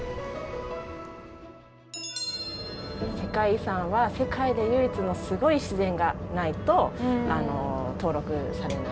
世界遺産は世界で唯一のすごい自然がないと登録されないんですね。